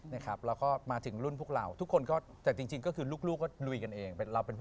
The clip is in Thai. นะครับแล้วก็มาถึงรุ่นพวกเราทุกคนก็แต่จริงก็คือลูกก็ลุยกันเอง